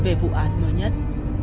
về vụ án mới nhất